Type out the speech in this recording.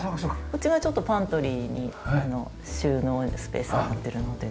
こっち側はちょっとパントリーに収納スペースになっているので。